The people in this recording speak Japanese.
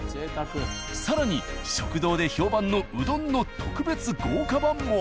更に食堂で評判のうどんの特別豪華版も。